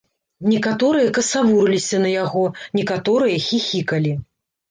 Некаторыя касавурыліся на яго, некаторыя хіхікалі.